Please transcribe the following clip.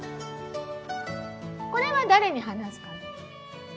これは誰に話すかな？